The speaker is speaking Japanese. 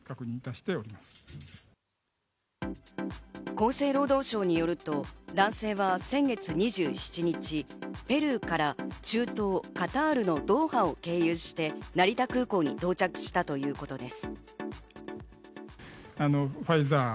厚生労働省によると、男性は先月２７日、ペルーから中東カタールのドーハを経由して成田空港に到着したということです。